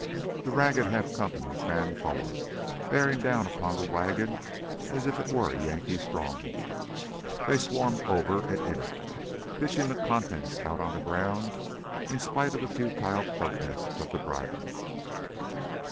The ragged half company fanned forward, bearing down upon the wagon as if it were a Yankee stronghold. They swarmed over and in it, pitching the contents out on the ground in spite of the futile protests of the driver.